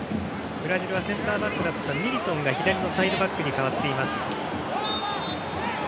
ブラジルはセンターバックだったミリトンが左のサイドバックに変わっています。